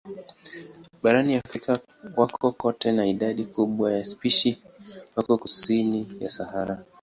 Barani Afrika wako kote na idadi kubwa ya spishi wako kusini ya Sahara.